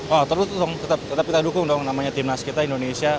oh tentu tuh dong tetap kita dukung dong namanya tim nas kita indonesia